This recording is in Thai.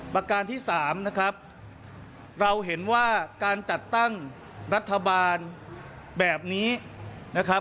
ประการที่สามนะครับเราเห็นว่าการจัดตั้งรัฐบาลแบบนี้นะครับ